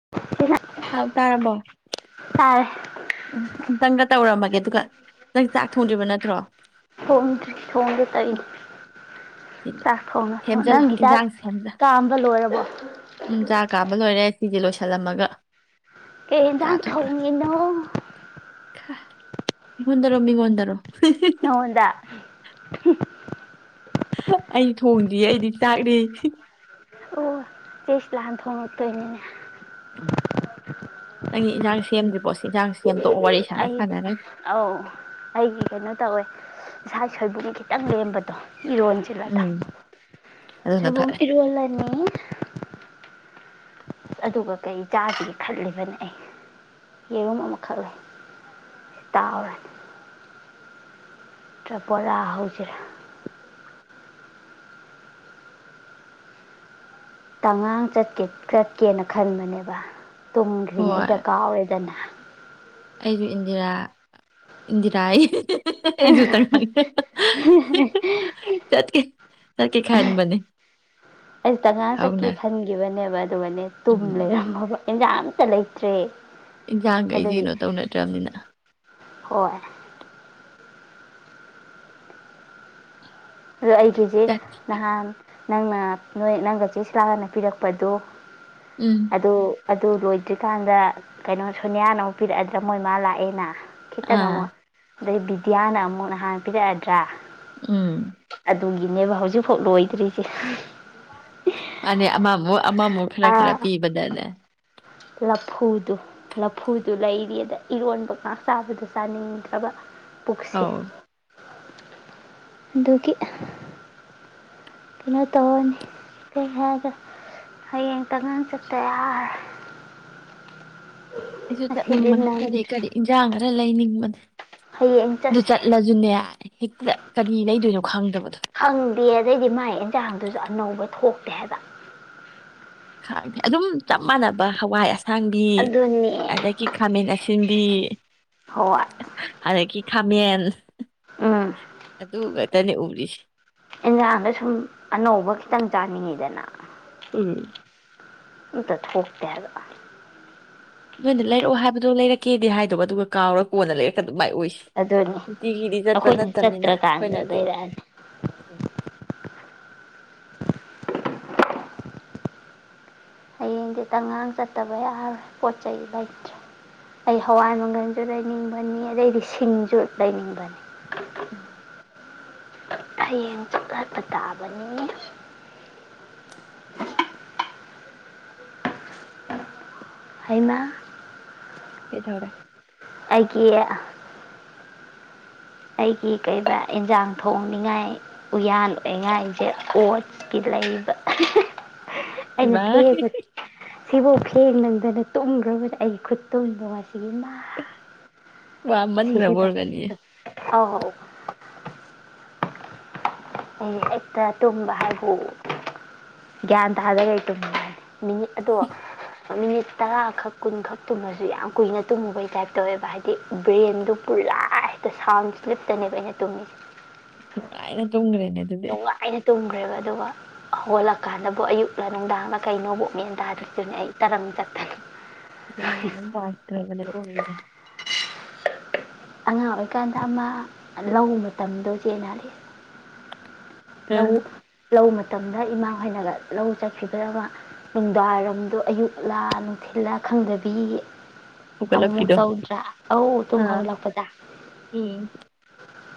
[unintelligible] ꯍꯥꯎ ꯇꯥꯔꯕꯣ ꯇꯥꯔꯦ ꯑꯝꯇꯪꯒ ꯇꯧꯔꯝꯃ ꯑꯗꯨꯒ ꯅꯪ ꯆꯥꯛ ꯊꯣꯡꯗ꯭ꯔꯤꯕ ꯅꯠꯇ꯭ꯔꯣ ꯊꯣꯡꯗ꯭ꯔꯤ ꯊꯣꯡꯒꯦ ꯇꯧꯔꯤꯅꯦ ꯆꯥꯛ ꯊꯣꯡꯅ ꯊꯣꯡ ꯁꯦꯝꯖꯜꯂꯣ ꯅꯪꯒꯤ ꯆꯥꯛ ꯏꯟꯖꯥꯡꯁꯦ ꯁꯦꯝꯖ ꯀꯥꯝꯕ ꯂꯣꯏꯔꯕꯣ ꯎꯝ ꯆꯥ ꯀꯥꯝꯕ ꯂꯣꯏꯔꯦ ꯁꯤꯖꯦ ꯂꯣꯏꯁꯜꯂꯝꯃꯒ ꯀꯩ ꯏꯤꯟꯖꯥꯡ ꯊꯣꯡꯉꯤꯅꯣ ꯈ ꯑꯩꯉꯣꯟꯗꯔꯣ ꯃꯤꯉꯣꯟꯗꯔꯣ ꯅꯉꯣꯟꯗ ꯍꯨꯝ ꯍ ꯑꯩ ꯊꯣꯡꯗꯤꯌꯦ ꯑꯩꯗꯤ ꯆꯥꯛꯅꯦ ꯍꯤ ꯑꯣ ꯆꯦ ꯁꯤꯂꯥ ꯊꯣꯡꯉꯛꯇꯣꯏꯅꯤꯅꯦ ꯅꯪꯒꯤ ꯏꯟꯖꯥꯡ ꯁꯦꯝꯗ꯭ꯔꯤꯕꯣ ꯁꯦ ꯏꯟꯖꯥꯡ ꯁꯦꯝ ꯑꯩꯗꯤ ꯑ ꯑꯧ ꯑꯩꯒꯤ ꯀꯩꯅꯣ ꯇꯧꯌꯦ ꯏꯁꯥ ꯁꯣꯏꯕꯨꯒꯤ ꯈꯤꯇꯪ ꯂꯦꯝꯕꯗꯣ ꯏꯔꯣꯜꯖꯤꯂꯥꯗ ꯎꯝ ꯑꯗꯨꯅ ꯁꯕꯣꯨꯝ ꯐꯔꯦ ꯏꯔꯣꯜ ꯑꯅꯤ ꯑꯗꯨꯒ ꯀꯩ ꯆꯥꯁꯤꯒꯦ ꯈꯠꯂꯤꯕꯅꯦ ꯑꯩ ꯌꯦꯔꯨꯝ ꯑꯃꯈꯛꯂꯦ ꯇꯥꯎꯔꯅꯤ ꯇꯄꯣꯂ ꯍꯧꯖꯔꯦ ꯇꯉꯥꯡ ꯆꯠꯀꯦ ꯆꯠꯀꯦꯅ ꯈꯟꯕꯅꯦꯕ ꯍꯣꯏ ꯇꯨꯝꯈ꯭ꯔꯤꯉꯩꯗ ꯀꯥꯎꯔꯦꯗꯅ ꯑꯩꯁꯨ ꯏꯟꯗꯤꯔꯥ ꯏꯟꯗꯤꯔꯥ ꯑꯩ ꯑꯩꯁꯨ ꯇ [inaudible] ꯆꯠꯀꯦ ꯆꯠꯀ ꯈꯥꯏꯅꯕꯅꯦ ꯑꯩꯁ ꯇꯉꯥꯡ ꯆꯠꯀꯦ ꯈꯟꯈꯤꯕꯅꯦꯕ ꯑꯗꯨꯒꯅꯦ ꯇꯨꯝ ꯎꯝ ꯂꯩꯔꯝꯃꯕ ꯑꯦꯟꯖꯥꯡ ꯑꯝꯇ ꯂꯩꯇ꯭ꯔꯦ ꯏꯟꯁꯥꯡꯈꯩꯁꯦ ꯑꯗꯨꯒꯤ ꯀꯩꯅꯣ ꯇꯧꯅꯗ꯭ꯔꯕꯅꯤꯅ ꯍꯣꯏ ꯑꯗꯣ ꯑꯩꯒꯤꯁꯦ ꯅꯍꯥꯟ ꯅꯪꯅ ꯅꯣꯏ ꯅꯪꯒ ꯆꯦꯁꯤꯂꯥꯛꯑꯅ ꯄꯤꯔꯛꯄꯗꯨ ꯎꯝ ꯑꯗ ꯑꯗꯨ ꯔꯣ ꯍꯧꯖꯤꯛꯀꯥꯟꯗ ꯀꯩꯅꯣ ꯁꯣꯅꯤꯌꯥꯅ ꯑꯃꯨꯛ ꯄꯤꯔꯛꯑꯗ꯭ꯔꯥ ꯃꯣꯏ ꯃꯥꯥ ꯂꯥꯛꯑꯦꯅ ꯑꯥ [unintelligible] ꯑꯗꯩ ꯕꯤꯗ꯭ꯌꯥꯅ ꯑꯃꯨꯛ ꯅꯍꯥꯟ ꯄꯤꯔꯛꯑꯗ꯭ꯔꯥ ꯎꯝ ꯑꯗꯨꯒꯤꯅꯦꯕ ꯍꯧꯖꯤꯛꯐꯥꯎ ꯂꯣꯏꯗ꯭ꯔꯤꯁꯦ ꯃꯅꯤ ꯑꯃꯥꯃꯨꯛ ꯑꯃꯃꯨꯛ ꯈꯔ ꯈꯔ ꯑꯥ ꯄꯤꯕꯗ ꯅꯦ ꯂꯐꯨꯗꯨ ꯂꯐꯨꯗꯨ ꯂꯩꯔꯤ ꯑꯗ ꯏꯔꯣꯟꯕ ꯉꯥꯛ ꯆꯥꯕꯗ ꯆꯥꯅꯤꯡꯗ꯭ꯔꯕ ꯄꯨꯛꯁꯦ ꯑꯧ ꯑꯗꯨꯒꯤ ꯀꯩꯅꯣ ꯇꯧꯅꯤ ꯀꯔꯤ ꯍꯥꯏꯒ ꯍꯌꯦꯡ ꯇꯉꯥꯟ ꯆꯠꯇ ꯌꯥꯔꯔꯣꯢ ꯑꯩꯁꯨ ꯉꯁꯤꯗꯤ ꯆꯠꯅꯤꯡꯕꯅꯦ ꯀꯔꯤ ꯅꯪꯗ꯭ꯔꯦ ꯀꯔꯤ ꯏꯟꯁꯥꯡ ꯈꯔ ꯂꯩꯅꯤꯡꯕꯅꯦ ꯍꯌꯦꯡ ꯗꯨ ꯆꯠꯁꯦ ꯆꯠꯂꯖꯨꯅꯦ ꯍꯦꯛꯇ ꯀꯔꯤ ꯂꯩꯗꯣꯏꯅꯣ ꯈꯪꯗꯕ ꯈꯪꯗꯦ ꯑꯗꯩꯗꯤ ꯃꯥꯥꯏ ꯑꯦꯟꯁꯥꯡꯗꯨꯁꯨ ꯑꯅꯧꯕ ꯊꯣꯛ ꯇꯦ ꯍꯥꯏꯕ ꯈꯥꯡꯇꯦ ꯑꯗꯨꯝ ꯆꯞ ꯃꯥꯟꯅꯕ ꯍꯋꯥꯏ ꯑꯁ- ꯁꯥꯡꯕꯤ ꯑꯗꯨꯅꯦ ꯑꯗꯒꯤ ꯈꯥꯃꯦꯟ ꯑꯁꯤꯟꯕꯤ ꯍꯣꯏ ꯍ ꯑꯗꯒꯤꯥ ꯈꯥ- ꯃꯦꯟ ꯎꯝ ꯑꯗꯨꯒ ꯇꯅꯤ ꯎꯔꯤꯁꯤ ꯏꯟꯖꯥꯡꯗ ꯁꯨꯝ ꯑꯅꯧꯕ ꯈꯤꯇꯪ ꯆꯥꯅꯤꯡꯉꯤꯗꯅ ꯎꯝ ꯑꯝꯇ ꯊꯣꯛꯇꯦ ꯍꯥꯏꯕ ꯅꯣꯏꯅ ꯂꯩꯔꯛꯑꯣ ꯍꯥꯏꯕꯗꯣ ꯂꯩꯔꯛꯀꯦꯗꯤ ꯍꯥꯏꯗꯣꯕ ꯑꯗꯨꯒ ꯀꯥꯎꯔꯒ ꯀꯣꯟꯅ ꯂꯩꯔꯛꯀ- ꯑꯗꯨꯃꯥꯏ ꯑꯣꯏꯁꯤ ꯑꯗꯨꯅꯤ ꯅꯨꯡꯇꯤꯒꯤꯗꯤ ꯆꯠꯄ ꯑꯩꯈꯣꯏꯅ ꯅꯠꯇꯕꯅꯤꯅ ꯆꯠꯇ꯭ꯔꯀꯥꯟꯗ ꯑꯩꯈꯣꯏꯅꯗꯤ ꯂꯩꯔꯛꯑꯅꯤ ꯂꯧꯁꯤꯟꯕ ꯉꯝꯗꯕ ꯍꯌꯦꯡꯗꯤ ꯇꯥꯉꯥꯡ ꯆꯠꯇꯕ ꯌꯥꯔꯣꯏ ꯄꯣꯠ ꯆꯩ ꯂꯩꯇ꯭ꯔꯦ ꯑꯩ ꯍꯋꯥꯏ ꯃꯪꯒꯜꯁꯨ ꯂꯩꯅꯤꯡꯕꯅꯤ ꯑꯗꯩꯗꯤ ꯁꯤꯡꯁꯨ ꯂꯩꯅꯤꯡꯕꯅꯤ ꯂꯧꯁꯤꯟꯕ ꯉꯝꯗꯕ ꯍꯌꯦꯡ ꯆꯠꯄ ꯄ ꯇꯥꯕꯅꯤ ꯍꯥꯏꯃꯥ ꯀꯩ ꯇꯧꯔꯦ ꯑꯩꯀꯤ ꯑ- ꯑꯩꯒꯤ ꯀꯩꯕ ꯏꯟꯖꯥꯡ ꯊꯣꯡꯅꯤꯉꯥꯏ ꯎꯌꯥꯜ ꯑꯣꯏꯉꯥꯏꯁꯦ ꯑꯣꯠꯁꯀꯤ ꯂꯩꯕ ꯍ ꯍꯤ ꯍꯤ ꯑꯩꯅ ꯏꯃꯥꯏ ꯐꯦꯡꯕꯁꯦ ꯁꯤꯐꯧ ꯐꯦꯡ ꯅꯪꯗꯅ ꯇꯨꯝꯈ꯭ꯔꯕꯨꯗꯤ ꯑꯩꯒꯤ ꯈꯨꯠꯇꯨꯝꯗꯣ ꯉꯁꯤꯒꯤ ꯏꯃꯥꯏ ꯁꯤꯒꯦ ꯋꯥꯃꯟꯈ꯭ꯔꯕ ꯇꯧꯋꯦ ꯑꯣꯏꯔꯝꯒꯅꯤꯌꯦ ꯇꯨꯝ ꯑꯥꯎ ꯑꯩ ꯍꯦꯛꯇ ꯇꯨꯝꯕ ꯍꯥꯏꯕꯨ ꯒ꯭ꯌꯥꯟ ꯇꯥꯗꯒꯩ ꯇꯨꯝꯃꯤ ꯍꯥꯏ ꯃꯤꯅꯤꯠ ꯑꯗꯣ ꯃꯤꯅꯤꯠ ꯇꯔꯥꯈꯛ ꯀꯨꯟꯈꯛ ꯇꯨꯝꯃꯁꯨ ꯌꯥꯝ ꯀꯨꯏꯅ ꯇꯨꯝꯃꯨꯕꯩ ꯇꯥꯏꯞ ꯇꯧꯋꯦꯕ ꯍꯥꯏꯗꯤ ꯕ꯭ꯔꯦꯟꯗꯣ ꯄꯨꯔꯥ ꯍꯦꯛꯇ ꯁꯥꯎꯟ ꯁꯂꯤꯞꯇꯅꯦꯕ ꯑꯩꯅ ꯇꯨꯝꯃꯤꯁꯦ ꯅꯨꯡꯉꯥꯏꯅ- ꯇꯨꯝꯒ꯭ꯔꯦꯅꯦ ꯑꯗꯨꯗꯤ ꯍꯧꯈ꯭ꯔꯦꯕ ꯑꯗꯨꯒ ꯍꯧꯒꯠꯂꯀꯥꯟꯗꯕꯨ ꯑꯌꯨꯛꯂ ꯅꯨꯡꯗꯥꯡꯂ ꯀꯩꯅꯣꯕꯨ ꯃꯦꯟ ꯇꯥꯗ꯭ꯔꯤꯗꯨꯅꯤ ꯑꯩ ꯇꯔꯪ ꯆꯠꯇꯅ ꯌꯥꯒꯩꯒꯤ ꯌꯨꯝ ꯄꯥꯟꯗ꯭ꯔꯕꯅꯦꯕ ꯑꯣꯏꯔꯤꯖꯦ ꯑꯉꯥꯡ ꯑꯣꯏꯀꯥꯟꯗ ꯑꯃ ꯂꯧ ꯃꯇꯝꯗꯣ ꯆꯦꯟꯅꯗꯦ ꯑꯥ ꯂꯧ ꯂꯧ ꯃ- ꯃꯇꯝꯗ ꯏꯃꯥꯍꯣꯏꯅꯒ ꯂꯧ ꯆꯠꯈꯤꯕꯗꯒ ꯅꯨꯡꯗꯥꯡꯋꯥꯏꯔꯝꯗꯣ ꯑꯌꯨꯛꯂ ꯅꯨꯡꯊꯤꯜꯂꯥ ꯈꯪꯗꯕꯤ ꯑꯃꯨꯛ ꯃꯨꯛ ꯍꯧꯒꯠꯂꯛꯄꯤꯗꯣ ꯇꯧꯗ꯭ꯔꯥ ꯑꯧ ꯇꯨꯝ ꯑꯥ ꯍꯧꯒꯠꯂꯛꯄ ꯎꯝ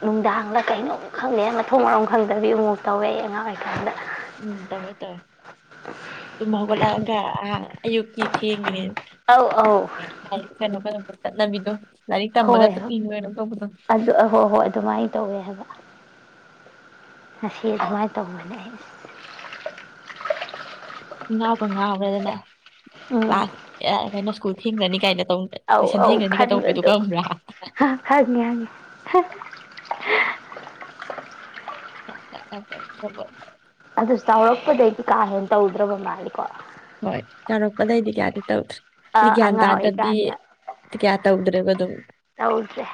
ꯅꯨꯡꯗꯥꯡꯗ ꯀꯩꯅꯣꯝ ꯈꯪꯗꯦ ꯃꯊꯣꯡ ꯃꯔꯣꯝ ꯈꯪꯗꯕꯤ ꯑꯃꯨꯛ ꯃꯨꯛ ꯇꯧꯋꯦ ꯑꯩ ꯑꯉꯥꯡ ꯑꯣꯏꯔꯤꯀꯥꯟꯗ ꯎꯝ ꯇꯧꯋꯦ ꯇꯧꯋꯦ ꯇꯨꯝ ꯍꯧꯒꯠꯂꯛꯑꯒ ꯑ ꯑꯌꯨꯛꯀꯤ ꯊꯦꯡꯉꯤꯅꯦꯅꯥ ꯑꯧ ꯑꯧ ꯂꯥꯏ ꯗꯨꯛ ꯊꯥꯟꯅꯕ ꯅꯕꯤꯗꯨ ꯍꯣꯏ ꯍꯣꯏ ꯑꯗꯨ ꯍꯣꯏ ꯍꯣꯏ ꯑꯗꯨꯃꯥꯏꯅ ꯇꯧꯋꯦ ꯍꯥꯏꯕ ꯉꯁꯤ ꯑꯗꯨꯃꯥꯏꯅ ꯇꯧꯕꯅꯦ ꯑꯩ ꯉꯀ ꯉꯔꯦ ꯑꯗꯨꯅ ꯎꯝ ꯀ꯭ꯂꯥꯁ ꯀꯩꯅ ꯁꯀꯨꯜ ꯍꯤꯡꯅꯤ ꯀꯥꯏꯗꯅ ꯑ ꯑꯧ ꯈꯟꯕꯗꯣ ꯈꯪꯉꯤ ꯍꯪꯉꯤ ꯍ [unintelligible] ꯊ ꯊ ꯌꯥ ꯇꯔꯕꯔ ꯑꯗꯨꯁꯨ ꯆꯥꯎꯔꯛꯄꯗꯩꯗꯤ ꯀꯥ ꯍꯦꯟꯅ ꯇꯧꯗ꯭ꯔꯕ ꯃꯥꯜꯂꯤꯀꯣ ꯍꯣꯏ ꯆꯥꯎꯥꯔꯛꯄꯗꯩꯗꯤ ꯀꯌꯥꯗꯤ ꯇꯧꯗ꯭ꯔꯦ ꯍꯥꯏꯗꯤ ꯑꯥ ꯒ꯭ꯌꯥꯟ ꯑꯉꯥꯡ ꯇꯥꯗꯕꯤ ꯑꯣꯏꯔꯤꯀꯥꯟꯗ ꯀꯌꯥ ꯇꯧꯗ꯭ꯔꯦꯕ ꯑꯗꯨꯝ ꯇꯧꯗ꯭ꯔꯦ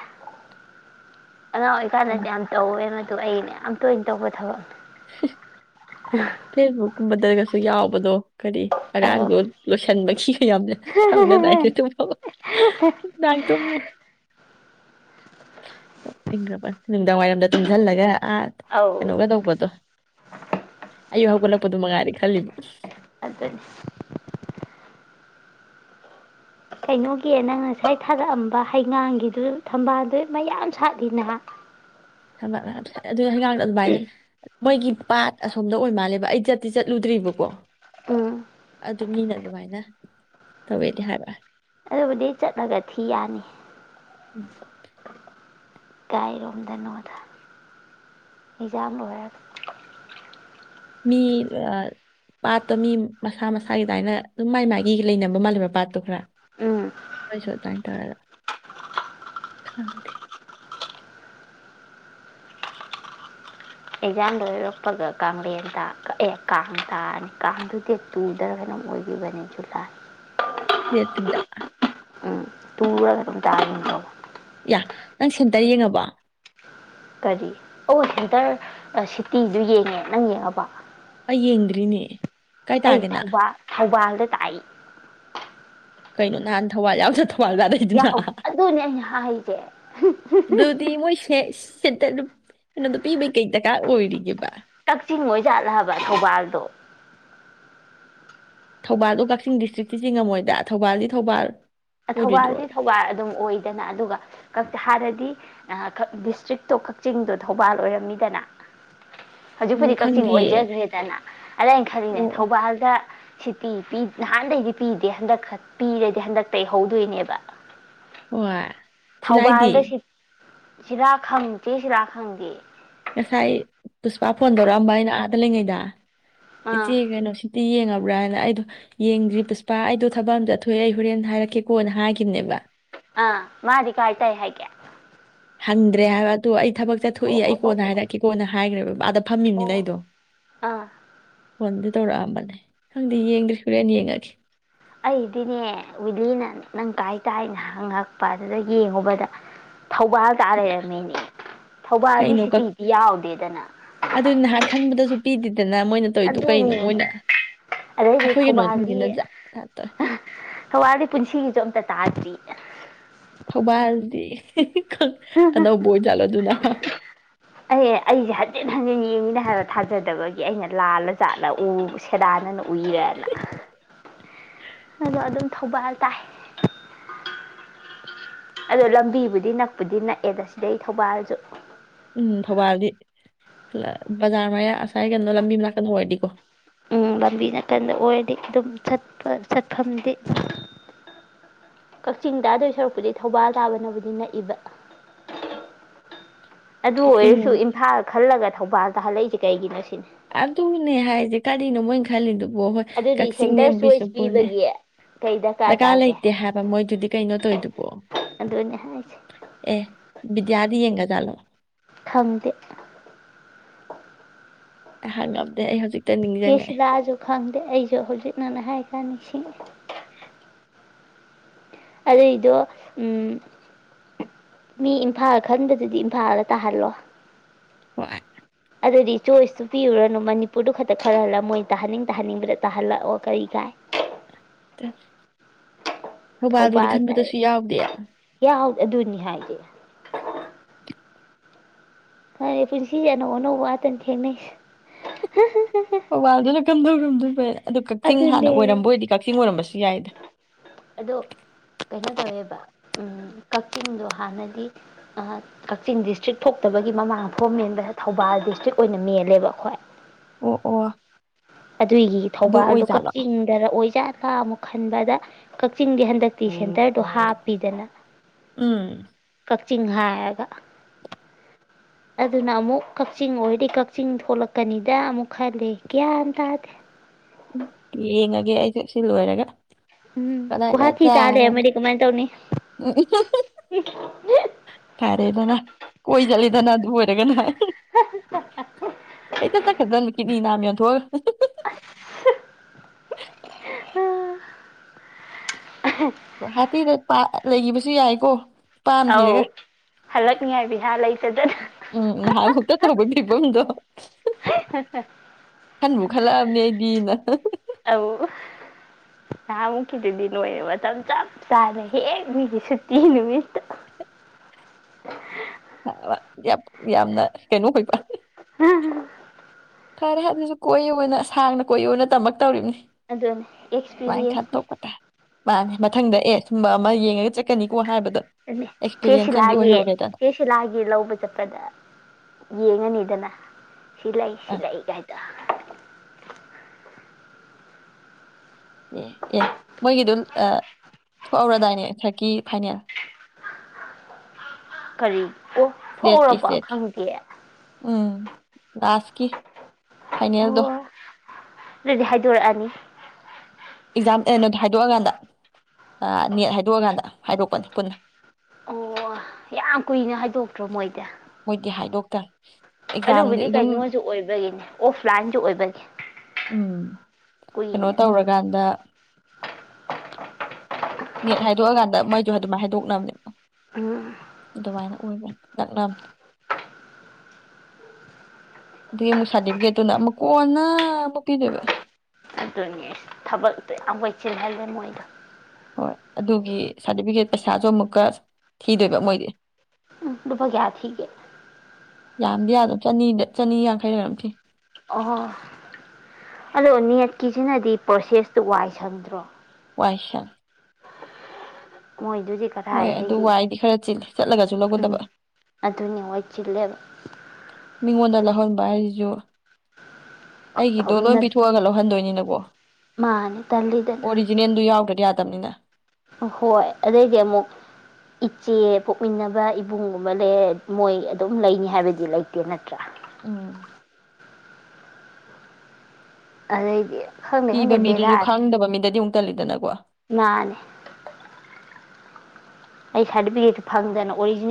ꯑꯉꯥꯡ ꯑꯣꯏꯔꯤꯀꯥꯟꯗꯗꯤ ꯌꯥꯝ ꯇꯧꯋꯦ ꯑꯗꯣ ꯑꯩꯅ ꯌꯥꯝ ꯇꯣꯏꯅ ꯇꯧꯕ ꯊꯕꯛꯅꯤ [unintelligible] [inaudible] ꯐꯦꯁꯕꯨꯛ ꯃꯗꯜꯒꯁꯨ ꯌꯥꯎꯕꯗꯣ ꯀꯔꯤ ꯑꯧ ꯑꯔꯥꯡꯗꯣ ꯂꯣꯏꯁꯤꯟꯕ ꯁꯤꯒ ꯌꯥꯝꯅ ꯁꯪꯅꯗꯥꯏ ꯇ ꯏꯪꯈꯕ ꯅꯨꯡꯗꯥꯡ ꯋꯥꯏꯔꯝꯗ ꯇꯨꯝꯁꯤꯜꯂꯒ ꯑ ꯑꯧ ꯑꯦꯅꯣ ꯀ ꯇꯧ ꯄꯠꯇ ꯍꯧꯒꯠꯂꯛꯄ ꯑꯗꯨ ꯃꯉꯔꯦ ꯈꯜꯂꯤꯣ ꯑꯗꯨꯗꯅꯤ ꯀꯩꯅꯣꯒꯤ ꯅꯪ ꯉꯁꯥꯏ ꯊꯥꯔꯛꯑꯝꯕ ꯍꯩꯉꯥꯡꯒꯤꯗꯨ ꯊꯝꯕꯥꯜꯗꯨ ꯃꯌꯥꯝ ꯁꯥꯠꯂꯤ ꯅꯍꯥꯛ ꯊꯃ ꯑꯗꯨꯅ ꯍꯩꯉꯥꯡꯗ ꯑꯗꯨꯃꯥꯏꯅ ꯃꯣꯏꯒꯤ ꯄꯥꯠ ꯑꯁꯣꯝꯗ ꯑꯣꯏ ꯃꯥꯜꯂꯦꯕ ꯑꯩꯗꯤ ꯆꯠꯇꯤ ꯆꯠꯂꯨꯗ꯭ꯔꯤꯕꯀꯣ ꯎꯝ ꯑꯗꯨ ꯑꯗꯨ ꯃꯤꯅ ꯑꯗꯨꯃꯥꯏꯅ ꯇꯧꯋꯦꯗꯤ ꯍꯥꯏꯕ ꯑꯗꯨꯕꯨꯗꯤ ꯆꯠꯂꯒ ꯊꯤ ꯌꯥꯅꯤ ꯀꯥꯏꯔꯣꯝꯗ ꯅꯋꯥꯗ ꯑꯦꯖꯥꯝ ꯂ ꯍꯥꯏꯔꯒ ꯃꯤ ꯄꯥꯠꯇꯣ ꯃꯤ ꯃꯁꯥ ꯃꯁꯥꯒꯤ ꯑꯗꯨꯃꯥꯏꯅ ꯑꯗꯨꯝ ꯃꯥꯏ ꯃꯥꯏꯒꯤ ꯂꯩꯅꯕ ꯃꯥꯜꯂꯦꯕ ꯄꯥꯠꯇꯣ ꯈꯔ ꯎꯝ ꯍꯣꯏꯁꯣ ꯇꯥꯏ ꯇꯧꯔꯔ ꯊꯪ ꯑꯦꯖꯥꯝ ꯂꯣꯏꯔꯛꯄꯒ ꯀꯥꯡꯦꯟ ꯇ ꯑꯦ ꯀꯥꯡ ꯇꯥꯑꯅꯤ ꯀꯥꯡꯗꯨꯗꯤ ꯇꯨꯗ꯭ꯔ ꯀꯩꯅꯣꯝ ꯑꯣꯏꯈꯤꯕꯅꯤ ꯖꯨꯂ ꯌꯦꯦꯠꯇꯗ ꯎꯝ ꯇꯔ ꯇ ꯌꯥ ꯅꯪ ꯁꯦꯟꯇꯔ ꯌꯦꯡꯉꯕ ꯀꯔꯤ ꯑꯣ ꯍꯦꯟꯇꯔ ꯁꯤꯇꯤꯗꯨ ꯌꯦꯡꯉꯦ ꯅꯪ ꯌꯦꯡꯉꯕ ꯑꯩ ꯌꯦꯡꯗ꯭ꯔꯤꯅꯦ ꯀꯥꯏ ꯑꯩ ꯇꯥꯒꯦꯅ ꯊꯧꯕꯥꯜ ꯊꯧꯕꯥꯜ ꯇꯥꯏ ꯀꯩꯅꯣ ꯅꯍꯥꯟ ꯊꯧꯕꯥꯜ ꯌꯥꯎꯖꯠꯊꯑꯣ ꯌꯥꯎ ꯑꯗꯨꯅꯦ ꯑꯩꯅ ꯍꯥꯏꯁꯦ ꯇ ꯀꯩꯅꯣꯗꯣ ꯄꯤꯕꯩ ꯀꯩ ꯗꯔꯀꯥꯔ ꯑꯣꯏꯔꯤꯒꯦꯕ ꯀꯛꯆꯤꯡ ꯃꯣꯏ ꯥꯠꯂꯕ ꯊꯧꯕꯥꯜꯗꯣ ꯊꯧꯕꯥꯜꯗꯣ ꯀꯛꯆꯤꯡ ꯗꯤꯁꯇ꯭ꯔꯤꯛꯇꯤ ꯆꯉꯝꯃꯣꯏꯗ ꯊꯧꯕꯥꯜꯗꯤ ꯊꯧꯕꯥꯜ ꯑꯣꯏꯔꯣꯏꯗ꯭ꯔꯣ ꯊꯧꯕꯥꯜꯗꯤ ꯊꯧꯕꯥꯜ ꯑꯗꯨꯝ ꯑꯣꯏꯗꯅ ꯑꯗꯨꯒ ꯍꯥꯟꯅꯗꯤ ꯗꯤꯁꯇ꯭ꯔꯤꯛꯇꯣ ꯀꯛꯆꯤꯡꯗꯣ ꯊꯧꯕꯥꯜ ꯑꯣꯏꯔꯝꯃꯤꯗꯅ ꯑꯣ ꯍꯧꯖꯤꯛꯄꯨꯗꯤ ꯀꯛꯆꯤꯡ ꯈꯪꯗꯤꯌꯦ ꯑꯣꯏꯖꯈ꯭ꯔꯦꯗꯅ ꯑꯗ ꯑꯩꯅ ꯈꯜꯂꯤꯅꯦ ꯑꯣ ꯑꯣ ꯊꯧꯕꯥꯜꯗ ꯁꯤ ꯄꯤ ꯅꯍꯥꯟꯗꯩꯗꯤ ꯄꯤꯗꯦ ꯍꯟꯗꯛ ꯈꯛ ꯄꯤꯔꯗꯤ ꯍꯟꯗꯛ ꯇꯩꯍꯧꯗꯣꯏꯅꯦꯕ ꯑꯣ ꯊꯧꯕꯥꯜꯗ ꯁꯤꯠ ꯁꯤꯗꯥꯛ ꯈꯪꯗꯦ ꯁꯤꯗꯥꯛ ꯈꯪꯗꯦ ꯉꯁꯥꯏ ꯄꯨꯁꯄꯥ ꯐꯣꯟ ꯇꯧꯔꯛꯑꯝꯕ ꯑꯩꯅ ꯑꯥꯗ ꯂꯩꯉꯩꯗ ꯑꯥ ꯏꯆꯦ ꯀꯩꯅꯣ ꯁꯤꯇ ꯌꯦꯡꯉꯕ ꯎ꯭ꯔ ꯍꯥꯏꯅ ꯑꯩꯗꯣ ꯌꯦꯡꯗ꯭ꯔꯤ ꯄꯨꯁꯄꯥ ꯑꯩꯗꯣ ꯊꯕꯛ ꯑꯝ ꯑꯊꯣꯛꯑꯦ ꯑꯩ ꯍꯣꯔꯦꯟ ꯍꯥꯏꯔꯛꯀꯦꯀꯣꯅ ꯍꯥꯏꯈꯤꯕꯅꯦꯕ ꯑ ꯃꯥ ꯀꯥꯥꯏꯇꯥꯏ ꯍꯥꯏꯦ ꯍꯗ꯭ꯔꯦ ꯍꯥꯏ ꯑꯗꯨ ꯊꯕꯛ ꯆꯠꯊꯣꯛꯏ ꯑꯩ ꯑꯣ ꯀꯣꯟꯅ ꯑꯣ ꯍꯥꯏꯔꯛꯦ ꯀꯣꯟꯅ ꯍꯥꯏꯈ꯭ꯔꯦꯕ ꯑꯗ ꯑꯣ ꯐꯝꯃꯤꯕꯅꯤꯅ ꯑꯣ ꯑꯩꯗꯣ ꯑꯥ ꯍꯣꯟ ꯇꯧꯔꯛꯑꯝꯕꯅꯦ ꯈꯪꯗꯤ ꯌꯦꯡꯗ꯭ꯦ ꯍꯣꯔꯦꯟ ꯌꯦꯡꯉꯒꯦ ꯑꯩꯗꯤꯅꯦ ꯋꯤꯂꯤꯅ ꯅꯪ ꯀꯥꯏ ꯇꯥꯏꯅ ꯍꯪꯉꯛꯄ ꯑꯗꯨꯗ ꯌꯦꯡꯉꯨꯕꯗ ꯊꯧꯕꯥꯜ ꯇꯥ ꯂꯩꯔꯝꯃꯤꯅꯦ ꯊꯧꯕꯥꯜꯗꯤ ꯀꯩꯅꯣ ꯀꯛ ꯁꯤꯇꯤꯗꯤ ꯌꯥꯎꯗꯦꯗꯅ ꯄꯤꯗꯤꯗꯤ ꯑꯗꯨꯅꯦ ꯑꯗꯩꯗꯤ ꯑꯩꯈꯣꯏ ꯊꯧꯕꯥꯜꯒꯤ ꯀꯩꯅꯣꯁꯤꯡꯁꯤꯅ ꯖꯥꯠ ꯖꯥꯠ ꯇꯧꯋꯦ ꯊꯧꯕꯥꯜꯗꯤ ꯄꯨꯟꯁꯤꯒꯤꯁꯨ ꯑꯝꯇ ꯇꯥꯗ꯭ꯔꯤ ꯊꯧꯕꯥꯜꯗꯤ [inaudible] ꯑꯅꯧꯕ ꯑꯣꯏꯖꯥꯠꯂꯣ ꯑꯗꯨꯅ ꯑꯩ ꯑꯩꯁꯦ ꯍꯟꯖꯤꯟ ꯍꯟꯖꯤꯦꯟ ꯌꯦꯡꯉꯤꯅ ꯍꯥꯏꯔ ꯊꯥꯖꯗꯕꯒꯤ ꯑꯩꯅ ꯂꯥꯜꯂꯖꯥꯠꯂ ꯁꯦꯗꯥꯟꯅꯅ ꯎꯏꯔꯦꯅ ꯑꯗꯣ ꯑꯗꯨꯝ ꯊꯧꯕꯥꯜ ꯇꯥꯏ ꯑꯗꯣ ꯂꯝꯕꯤꯕꯨꯗꯤ ꯅꯛꯄꯨꯗꯤ ꯅꯛꯑꯦꯗ ꯁꯤꯗꯩ ꯊꯧꯕꯥꯜꯁꯨ ꯎꯝ ꯊꯧꯕꯥꯜꯗꯤ ꯕꯖꯥꯔ ꯃꯌꯥ ꯉꯁꯥꯏ ꯀꯩꯅꯣ ꯂꯝꯕꯤ ꯑꯃ ꯂꯥꯛꯀꯗꯣ ꯑꯣꯏꯔꯗꯤꯀꯣ ꯎꯝ ꯂꯝꯕꯤ ꯅꯥꯀꯟꯗ ꯑꯣꯏꯔꯗꯤ ꯑꯗꯨꯝꯠꯄ ꯆꯠꯐꯝꯗꯤ ꯀꯛꯆꯤꯡꯗꯥꯗꯣꯏ ꯁꯔꯨꯛꯄꯨꯗꯤ ꯊꯧꯕꯥꯜ ꯇꯥꯕꯅꯕꯨꯗꯤ ꯅꯛꯏꯕ ꯑꯗꯨ ꯀꯛꯆꯤꯡ ꯑꯣꯏꯔꯁꯨ ꯏꯝꯐꯥꯜ ꯈꯜꯂꯒ ꯊꯧꯕꯥꯜꯗ ꯍꯜꯂꯛꯏꯁꯦ ꯀꯩꯒꯤꯅꯣ ꯁꯤꯅꯤ ꯑꯗꯨꯅꯦ ꯍꯥꯏꯁꯦ ꯀꯔꯤꯅꯣ ꯃꯣꯏꯅ ꯈꯜꯂꯤꯗꯣ ꯋ‌ꯣ ꯍꯣꯏ ꯑꯗꯨꯗꯤ ꯀꯛꯆꯤꯡꯅꯦ ꯁꯦꯟꯇꯔ ꯆꯣꯏꯁ ꯕꯤꯁꯅꯨꯄꯨꯔꯅꯦ ꯄꯤꯕꯒꯤ ꯀꯩ ꯗꯔꯀꯥꯔ ꯇꯥꯒꯦ ꯂꯩꯇꯦ ꯍꯥꯏꯕ ꯃꯣꯏꯗꯨꯗꯤ ꯀꯩꯅꯣ ꯇꯧꯔꯤꯗꯨꯕꯣ ꯑꯗꯨꯅꯦ ꯍꯥꯏꯁꯦ ꯑꯦ ꯕꯤꯗꯌꯥꯗꯤ ꯌꯦꯡꯈꯔꯖꯥꯠꯂꯣ ꯈꯪꯗꯦ ꯍꯥꯡꯉꯝ ꯆꯦ ꯁꯤꯂꯥꯁꯨ ꯈꯪꯗꯦ ꯑꯩꯁꯨ ꯍꯧꯖꯤꯛꯅꯅꯦ ꯍꯥꯏ ꯀꯥꯟ ꯅꯤꯡꯁꯤꯡꯉꯛꯑꯦ ꯑꯗꯨꯏꯗꯣ ꯎꯝ ꯃꯤ ꯏꯝꯐꯥꯜ ꯈꯟꯕꯗꯨꯗꯤ ꯏꯝꯐꯥꯜꯗ ꯇꯥꯍꯜꯂꯣ ꯍꯣꯏ ꯑꯗꯨꯗꯤ ꯆꯣꯏꯁꯇꯨ ꯄꯤꯔꯨꯔꯅꯨ ꯃꯅꯤꯄꯨꯔꯗꯨ ꯈꯛꯇ ꯈꯔ ꯍꯜꯂ ꯃꯣꯏ ꯇꯥꯍꯟꯅꯤꯡ ꯇꯥꯍꯟꯅꯤꯡꯕꯗ ꯇꯥꯍꯜꯂꯛꯑꯣ ꯀꯔꯤ ꯀꯥꯏ ꯊꯧꯕꯥꯜꯗꯨꯗꯤ ꯊꯧꯕꯥꯜ ꯈꯟꯕꯗꯁꯨ ꯌꯥꯎꯗꯦ ꯌꯥꯎ ꯑꯗꯨꯅꯤ ꯍꯥꯏꯁ‌ꯦ [unintelligible] ꯐꯔ‌ꯦ ꯄꯨꯟꯁꯤ ꯑꯅꯧ ꯑꯅꯧꯕ ꯉꯥꯛꯇꯅꯤ ꯊ‌ꯦꯡꯅꯔꯤꯁ‌ꯦ ꯐꯦ ꯑꯗꯨ ꯀꯛꯆꯤꯡ ꯍꯥꯟꯅ ꯑꯗꯨꯅꯦ ꯑꯣꯏꯔꯝꯕ ꯑꯣꯏꯗꯤ ꯀꯛꯆꯤꯡ ꯑꯣꯏꯔꯝꯕꯁꯨ ꯌꯥꯏꯗ ꯎꯝ ꯀꯛꯆꯤꯡꯗꯣ ꯍꯥꯟꯅꯗꯤ ꯀꯛꯆꯤꯡ ꯗꯤꯁꯇ꯭ꯔꯤꯛ ꯊꯣꯛꯇꯕꯒꯤ ꯃꯃꯥꯡ ꯐ‌ꯣꯝ ꯃꯦꯟꯕꯗ ꯊꯧꯕꯥꯜ ꯗꯤꯁꯇ꯭ꯔꯤꯛ ꯑꯣꯏꯅ ꯃꯦꯜꯂꯦꯕ ꯑꯩꯈꯣꯏ ꯑꯣ ꯑꯣ ꯑꯗꯨꯏꯒꯤ ꯑꯗꯨ ꯊꯧꯕꯥꯜꯗꯣ ꯑꯣꯏꯖꯥꯠꯂꯣ ꯀꯛꯆꯤꯡꯗ ꯑꯣꯏꯖꯥꯠꯂ ꯑꯃꯨꯛ ꯈꯟꯕꯗ ꯀꯛꯆꯤꯡꯗꯤ ꯍꯟꯗꯛꯇꯤ ꯎꯝ ꯁꯦꯟꯇꯔꯗꯣ ꯍꯥꯞꯄꯤꯗꯅ ꯀꯛꯆꯤꯡ ꯍꯥꯏꯔꯒ ꯑꯗꯨꯅ ꯑꯃꯨꯛ ꯀꯛꯆꯤꯡ ꯑꯣꯏꯗꯤ ꯀꯛꯆꯤꯡ ꯊꯣꯛꯂꯛꯀꯅꯤꯗ ꯑꯃꯨꯛ ꯈꯜꯂ‌ꯦ ꯒꯌꯥꯟ ꯇꯥꯗ‌ꯦ ꯎꯝ ꯌꯦꯡꯉꯒꯦ ꯑꯩꯁꯨ ꯁꯤ ꯂꯣꯏꯔꯒ ꯎꯝ ꯒꯨꯋꯥꯇꯤꯗ ꯇꯥ ꯂꯩꯔꯝꯃꯗꯤ ꯀꯃꯥꯏꯅ ꯇꯧꯅꯤ ꯎꯝ ꯐꯔꯦꯗꯅ ꯀꯣꯏ ꯆꯠꯂꯦꯗꯅ ꯑꯗꯨ ꯑꯣꯏꯔꯒꯅ ꯍ‌ꯦꯛꯇ ꯆꯠꯈꯔꯗꯝꯅꯤ ꯀꯤꯠꯅꯤ ꯅꯥꯝ ꯌꯣꯟꯊꯣꯛꯑꯒ ꯒꯨꯋꯥꯍꯇꯤꯗ ꯇꯥ ꯂꯩꯈꯤꯕꯁꯨ ꯌꯥꯏꯀꯣ ꯅꯨꯄꯥ ꯑꯃ ꯑꯥꯎ ꯊꯤꯔꯒ ꯍꯜꯂꯛꯅꯤꯉꯥꯏ ꯄꯩꯁꯥ ꯂꯩꯇꯗꯅ ꯕꯨꯟꯗꯣ ꯈꯟꯕꯨ ꯈꯜꯂꯛꯑ ꯗꯤꯅ ꯑꯧ ꯅꯍꯥꯃꯨꯛꯀꯤꯗꯨꯗꯤ ꯅꯣꯏꯔꯦ ꯃꯇꯝ ꯆꯞ ꯆꯥꯅ ꯍꯦꯛ ꯃꯤꯒꯤ ꯁꯨꯇꯤ ꯅꯨꯃꯤꯠꯇꯣ ꯌꯥꯝ ꯌꯥꯝꯅ ꯀꯩꯅꯣ ꯀꯣꯏꯕ ꯐꯔꯦ ꯑꯗꯨꯅꯁꯨ ꯀꯣꯏꯌꯨꯅ ꯁꯥꯡꯅ ꯀꯣꯏꯌꯨꯅ ꯇꯝꯃꯛꯛꯇꯧꯔꯤꯕꯅꯤ ꯑꯗꯨꯅꯦ ꯑꯦꯛꯁꯄꯤꯔꯤꯌꯦꯟꯁꯅꯤ ꯇꯥꯏ ꯃꯥꯅꯦ ꯃꯊꯪꯗ ꯑꯦ ꯁꯨꯝꯕ ꯑꯃ ꯌꯦꯡꯉꯒ ꯆꯠꯀꯅꯤꯀꯣ ꯍꯥꯏꯕꯗ ꯆꯦꯁꯤꯂꯥꯒꯤ ꯆꯦꯁꯤꯂꯥꯒꯤ ꯂꯧꯕ ꯆꯠꯄꯗ ꯌꯦꯡꯉꯅꯤꯗꯅ ꯁꯤ ꯂꯩ ꯁꯤ ꯑꯥ ꯂꯩ ꯀꯥꯏꯗ꯫ ꯑꯦ ꯑꯦ ꯃꯣꯏꯒꯤꯗꯨ ꯊꯣꯛꯍꯧꯔꯗꯥꯏꯅꯦ ꯈꯔꯛꯀꯤ ꯐꯥꯏꯅꯦꯜ? ꯀꯔꯤ? ꯑꯣ ꯁ꯭ꯂꯦꯠꯀꯤ ꯊꯣꯛꯎꯔꯕꯣ ꯁ꯭ꯂꯦꯠꯀꯤ ꯈꯪꯗꯦ꯫ ꯎꯝ ꯂꯥꯁꯀꯤ꯫ ꯐꯥꯏꯅꯦꯜꯗꯣ꯫ ꯑꯣ ꯑꯗꯨꯗꯤ ꯍꯥꯏꯗꯣꯔꯛꯑꯅꯤ꯫ ꯑꯦꯛꯖꯥꯝ ꯀꯩꯅꯣꯗꯣ ꯍꯥꯏꯗꯣꯛꯑꯀꯥꯟꯗ ꯅꯦꯠ ꯍꯥꯏꯗꯣꯛꯑꯀꯥꯟꯗ ꯍꯥꯏꯗꯣꯛꯄꯅꯤ ꯄꯨꯟꯅ꯫ ꯑꯣ ꯌꯥꯝ ꯀꯨꯏꯅ ꯍꯥꯏꯗꯣꯛꯇ꯭ꯔꯣ ꯃꯣꯏꯗꯤ? ꯃꯣꯏꯗꯤ ꯍꯥꯏꯗꯣꯛꯇꯅ ꯑꯗꯨꯕꯨꯗꯤ ꯀꯩꯅꯣꯁꯨ ꯑꯣꯏꯕꯒꯤꯅꯦ ꯑꯣꯐꯂꯥꯏꯟꯁꯨ ꯑꯣꯏꯕꯒꯤ ꯎꯝ ꯀꯩꯅꯣ ꯀꯨꯏꯅꯦ ꯇꯧꯔꯀꯥꯟꯗ ꯅꯦꯠ ꯍꯥꯏꯗꯣꯛꯑꯀꯥꯟꯗ ꯃꯣꯏꯁꯨꯣ ꯑꯗꯨꯝ ꯍꯥꯏꯗꯣꯛꯅꯕꯅꯦ꯫ ꯎꯝ ꯑꯗꯨꯃꯥꯏꯅ ꯑꯣꯏꯕꯅꯤ ꯅꯛꯇ ꯑꯗꯨꯗꯒꯤ ꯑꯃꯨꯛ ꯁꯥꯔꯇꯤꯐꯤꯀꯦꯠꯇꯨꯅ ꯑꯃꯨꯛ ꯀꯣꯟꯅ ꯑꯃꯨꯛ ꯄꯤꯗꯣꯏꯕ꯫ ꯑꯗꯨꯅꯤ ꯊꯕꯛꯇ ꯌꯥꯝ ꯋꯥꯏ ꯆꯤꯜꯍꯜꯂꯦ ꯃꯣꯏꯗ꯫ ꯍꯣꯏ ꯑꯗꯨꯒꯤ ꯁꯥꯔꯇꯤꯐꯤꯀꯦꯠ ꯄꯩꯁꯥꯁꯨ ꯑꯃꯨꯛꯀ ꯊꯤꯗꯣꯏꯕ ꯃꯣꯏꯗꯤ꯫ ꯎꯝ ꯂꯨꯄꯥ ꯀꯌꯥ ꯊꯤꯒꯦ? ꯌꯥꯝꯗꯤ ꯌꯥꯝꯗꯕ ꯆꯅꯤꯗ ꯆꯅꯤ ꯌꯥꯡꯈꯩ ꯔꯥ ꯀꯩꯅꯣꯝ ꯊꯤ꯫ ꯑꯣ ꯑꯗꯣ ꯅꯦꯠꯀꯤꯁꯤꯅꯗꯤ ꯄ꯭ꯔꯣꯁꯦꯁꯇꯨ ꯋꯥꯏ ꯁꯪꯗ꯭ꯔꯣ? [unintelligible] ꯃꯣꯏꯗꯨꯗꯤ ꯃꯣꯏ ꯑꯗꯨ ꯀꯗꯥꯏꯗꯒꯤ ꯋꯥꯏꯗꯤ ꯈꯔ ꯆꯤꯂꯦ꯫ ꯆꯠꯂꯒꯁꯨ ꯂꯧꯒꯗꯕ꯫ ꯎꯝ ꯑꯗꯨꯅꯦ ꯋꯥꯏ ꯆꯤꯜꯂꯦꯕ꯫ ꯃꯤ ꯉꯣꯟꯗ [unintelligible] ꯑꯩꯒꯤꯗꯣ ꯂꯣꯏ ꯑꯍꯨꯝꯅ ꯄꯤꯊꯣꯛꯑꯒ ꯂꯧꯍꯟꯗꯣꯏꯅꯤꯅ ꯃꯥꯅꯤ [inaudible] ꯇꯜꯂꯤꯗꯅ ꯑꯣꯔꯤꯖꯤꯅꯦꯟ ꯗꯨ ꯌꯥꯥꯎ ꯗꯔ꯭ꯗꯤ ꯌꯥ [unintelligible] ꯍꯣꯏ ꯑꯗꯨꯗꯩꯗꯤ ꯑꯃꯨꯛ ꯏꯆꯦ ꯄꯣꯛꯃꯤꯟꯅꯕ ꯏꯕꯨꯡꯒꯨꯝꯕ ꯂꯩ ꯃꯣꯏ ꯑꯗꯨꯝ ꯂꯩꯅꯤ ꯍꯥꯏꯕꯗꯤ ꯂꯩꯇꯦ ꯅꯠꯇ꯭ꯔꯥ꯫ ꯎꯝ꯫ ꯑꯗꯩꯗꯤ ꯈꯪꯗꯦ ꯏꯤꯕ ꯈꯪꯗꯦ ꯃꯤꯗꯨꯁꯨ ꯕꯦꯔꯥꯅꯤ ꯈꯥꯡꯗꯕ ꯃꯤꯗꯗꯤ ꯑꯃꯨꯛ ꯇꯜꯂꯤꯗꯅꯀꯣ꯫ ꯃꯥꯅꯦ ꯑꯩ ꯁꯔꯇꯤꯐꯤꯀꯦꯠ ꯐꯪꯗꯅ ꯑꯣꯔꯤꯖꯤ